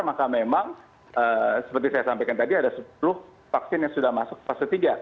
maka memang seperti saya sampaikan tadi ada sepuluh vaksin yang sudah masuk fase tiga